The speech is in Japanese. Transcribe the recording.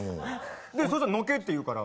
そしたら「のけ」って言うから。